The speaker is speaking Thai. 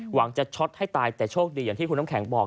หวังจะช็อตให้ตายแต่โชคดีอย่างที่คุณน้ำแข็งบอก